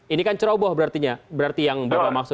ini kan ceroboh berarti ya berarti yang bapak maksud